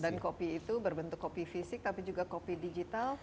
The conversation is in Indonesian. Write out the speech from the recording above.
dan kopi itu berbentuk kopi fisik tapi juga kopi digital